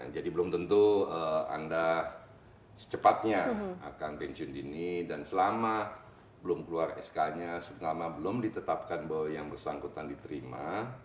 jadi belum tentu anda secepatnya akan pensiun dini dan selama belum keluar sk nya selama belum ditetapkan bahwa yang bersangkutan diterima